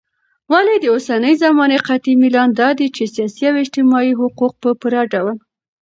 ولي داوسنۍ زماني قطعي ميلان دادى چې سياسي او اجتماعي حقوق په پوره ډول